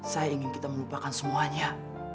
saya ingin kita melupakan semuanya